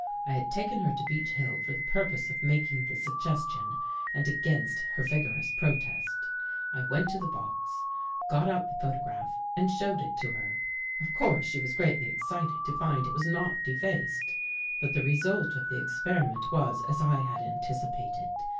I had taken her to Beech Hill for the purpose of making the suggestion, and against her vigorous protest, I went to the box, got out the pho tograph and showed it to her. Of course she was greatly excited to find it was not defaced. But the result of the experiment was as I had anticipated.